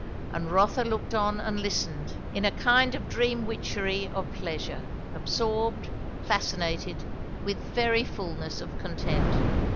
And Rotha looked on and listened, in a kind of dream witchery of pleasure; absorbed, fascinated, with very fulness of content.